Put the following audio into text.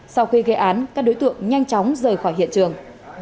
sau khi gây án các đối tượng nhanh chóng rời khỏi hiện trường